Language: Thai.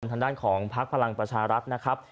ทางด้านของพักพลังประชารัฐนะครับ